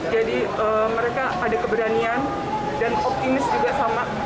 mereka ada keberanian dan optimis juga sama